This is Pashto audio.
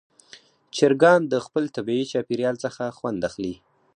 چرګان د خپل طبیعي چاپېریال څخه خوند اخلي.